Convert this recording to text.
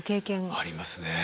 ありますね。